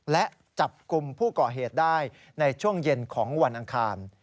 และจับกลุ่มผู้ก่อเหตุได้ในช่วงเย็นของวันอังคาร